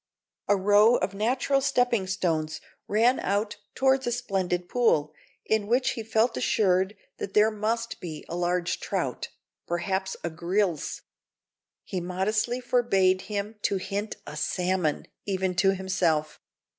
A row of natural stepping stones ran out towards a splendid pool, in which he felt assured there must be a large trout perhaps a grilse. His modesty forbade him to hint "a salmon," even to himself.